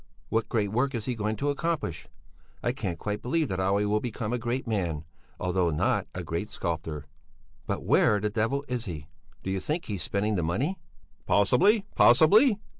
What great work is he going to accomplish? I can quite believe that Olle will become a great man, although not a great sculptor. But where the devil is he? Do you think he's spending the money?" "Possibly, possibly!